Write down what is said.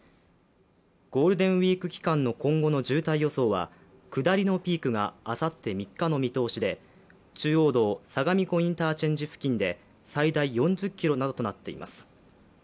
ゴールデンウイーク期間の今後の渋滞予想は下りのピークがあさって３日の見通しで中央道、相模湖インターチェンジ付近で最大４０ｋｍなどとなっています。